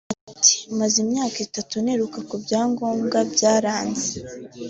Ati “Maze imyaka itatu niruka ku cyangombwa byaranze